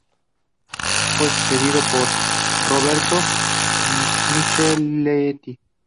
Fue sucedido por Roberto Micheletti.